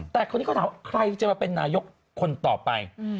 แต่คนนี้เขาถามว่าใครจะมาเป็นนายกคนต่อไป